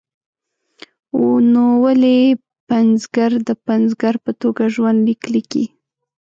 نو ولې پنځګر د پنځګر په توګه ژوند لیک لیکي.